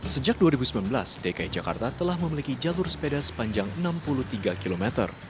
sejak dua ribu sembilan belas dki jakarta telah memiliki jalur sepeda sepanjang enam puluh tiga km